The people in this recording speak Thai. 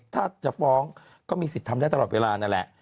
ถ้าจะฟ้องก็มีสิทธิ์ทำได้ตลอดเวลานั่นแหละ